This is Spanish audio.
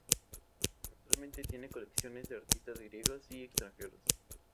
Actualmente tiene colecciones de artistas griegos y extranjeros.